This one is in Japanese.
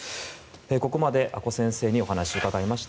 ここまで阿古先生にお話を伺いました。